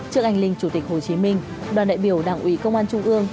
trước anh linh chủ tịch hồ chí minh đoàn đại biểu đảng ủy công an trung ương